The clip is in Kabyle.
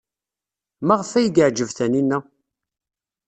Maɣef ay yeɛjeb Taninna?